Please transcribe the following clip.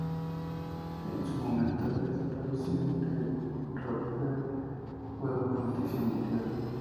En su momento la desaparición de Rockefeller fue una noticia mundial.